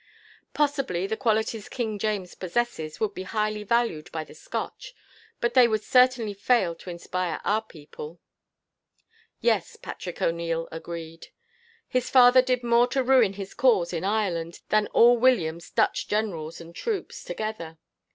Possibly, the qualities King James possesses would be highly valued by the Scotch, but they would certainly fail to inspire our people." "Yes," Patrick O'Neil agreed. "His father did more to ruin his cause, in Ireland, than all William's Dutch generals and troops, together.